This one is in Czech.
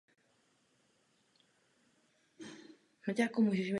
Dnes je kostel majetkem Farního sboru Českobratrské církve evangelické v Jihlavě.